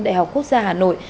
đại học quốc gia hà nội